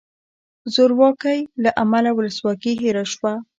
زورواکۍ له امله ولسواکي هیره شوه.